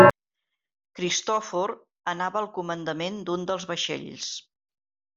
Cristòfor anava al comandament d'un dels vaixells.